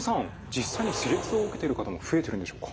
実際に施術を受けてる方も増えてるんでしょうか？